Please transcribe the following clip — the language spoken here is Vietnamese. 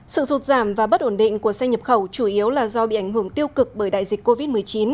sự rụt giảm và bất ổn định của xe nhập khẩu chủ yếu là do bị ảnh hưởng tiêu cực bởi đại dịch covid một mươi chín